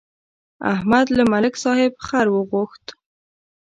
احمد له ملک صاحب خر وغوښت.